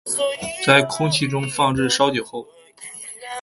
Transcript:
在空氣中放置稍久後